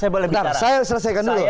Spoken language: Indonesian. bentar saya selesaikan dulu